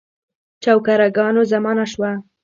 د چوکره ګانو زمانه شوه.